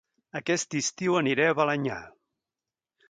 Aquest estiu aniré a Balenyà